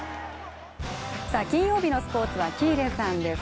金曜日のスポーツは喜入さんです。